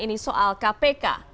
ini soal kpk